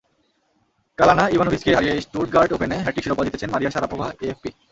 কাল আনা ইভানোভিচকে হারিয়ে স্টুটগার্ট ওপেনে হ্যাটট্রিক শিরোপা জিতেছেন মারিয়া শারাপোভা এএফপি।